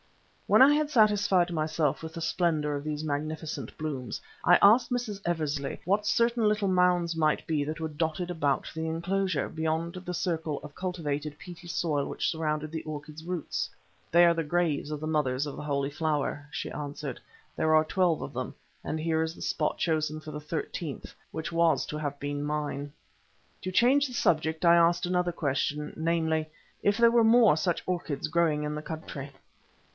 When I had satisfied myself with the splendour of these magnificent blooms, I asked Mrs. Eversley what certain little mounds might be that were dotted about the enclosure, beyond the circle of cultivated peaty soil which surrounded the orchid's roots. "They are the graves of the Mothers of the Holy Flower," she answered. "There are twelve of them, and here is the spot chosen for the thirteenth, which was to have been mine." To change the subject I asked another question, namely: If there were more such orchids growing in the country?